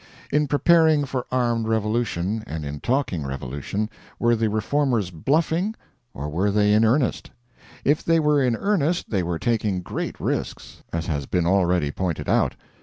In preparing for armed revolution and in talking revolution, were the Reformers "bluffing," or were they in earnest? If they were in earnest, they were taking great risks as has been already pointed out.